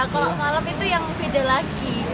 kalau malam itu yang fide lagi